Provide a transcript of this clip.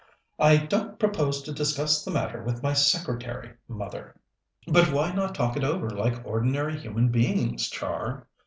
"I don't propose to discuss the matter with my secretary, mother." "But why not talk it over like ordinary human beings, Char?"